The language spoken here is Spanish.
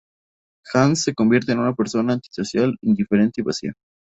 Hans se convierte en una persona antisocial, indiferente, y vacía.